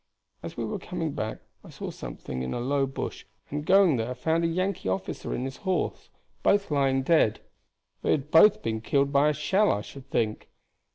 As we were coming back I saw something in a low bush, and going there found a Yankee officer and his horse both lying dead; they had been killed by a shell, I should think.